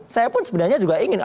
saya pun sebenarnya juga ingin